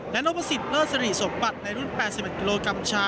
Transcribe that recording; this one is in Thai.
และโนประสิทธิ์เลอร์สารีสมบัติในรุ่นแปดสิบอันกิโลกรัมชา